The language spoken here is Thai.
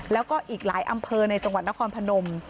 แล้วก็อีกหลายอำเภอในจังหวัดนครพนม